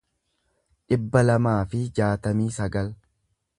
dhibba lamaa fi jaatamii sagal